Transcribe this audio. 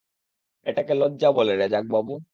এটাকে লজ্জা বলে রেজাক বাবু।